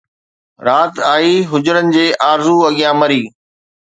رات آئي، هجرن جي آرزو اڳيان مري